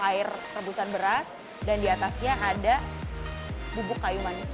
air rebusan beras dan diatasnya ada bubuk kayu manis